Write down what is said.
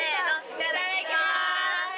いただきます。